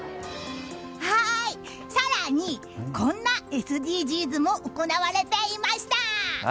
更に、こんなＳＤＧｓも行われていました！